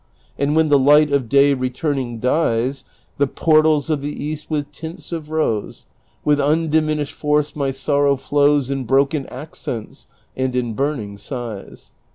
And when the light of day returning dyes The portals of the east with tints of rose. With undiminished force my sorrow flows In broken accents and in burning sighs.